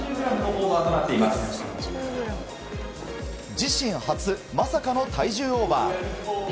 自身初まさかの体重オーバー。